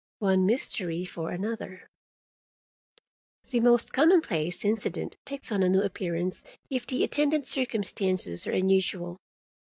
ONE MYSTERY FOR ANOTHER The most commonplace incident takes on a new appearance if the attendant circumstances are unusual.